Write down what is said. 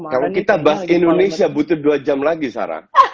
kalau kita bahas indonesia butuh dua jam lagi saran